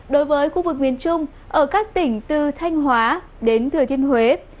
đối với khu vực miền trung ở các tỉnh từ thanh hóa đến thừa thiên huế